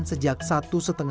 sejak tahun dua ribu